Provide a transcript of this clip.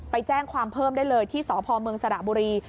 ไปแจ้งความเพิ่มได้เลยที่สพเมืองสระบุรี